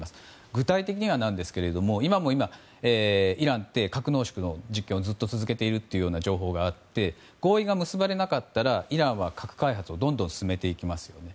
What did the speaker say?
具体的には何ですけど今もイランって核濃縮の実験をずっと続けている情報もあって合意が結ばれなかったらイランは核開発をどんどん進めていきますよね。